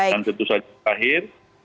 dan tentu saja terakhir